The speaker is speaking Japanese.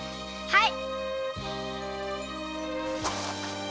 はい。